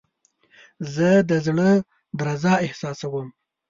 زه د زړه درزا احساسوم.